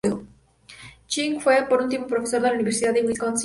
Ching fue, por un tiempo, profesor en la University de Wisconsin-Milwaukee.